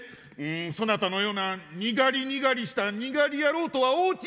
そなたのようなにがりにがりしたにがり野郎とは大違いじゃ！